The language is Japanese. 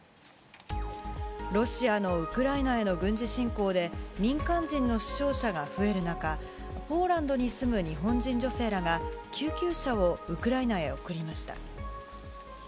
ロシアのウクライナへの軍事侵攻で民間人の死傷者が増える中ポーランドに住む日本人女性らが救急車をウクライナへ送りました。